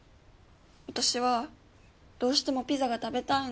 私はどうしてもピザが食べたいの。